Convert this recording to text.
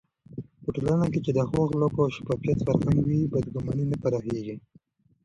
په ټولنه کې چې د ښو اخلاقو او شفافيت فرهنګ وي، بدګماني نه پراخېږي.